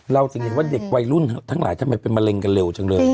ถึงเห็นว่าเด็กวัยรุ่นทั้งหลายทำไมเป็นมะเร็งกันเร็วจังเลย